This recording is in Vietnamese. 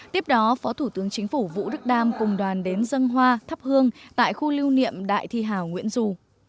tiếp đó phó thủ tướng chính phủ vũ đức đam cùng đoàn đến dân hoa thắp hương tại khu lưu niệm đại thi hào nguyễn du